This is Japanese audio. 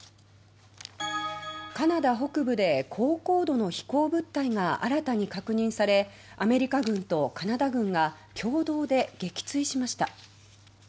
カナダ北部で高高度の飛行物体が新たに確認されアメリカ軍とカナダ軍が共同で撃墜しました。